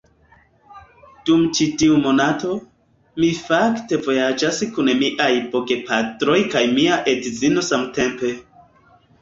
Dum ĉi tiu monato, mi fakte vojaĝas kun miaj bogepatroj kaj mia edzino samtempe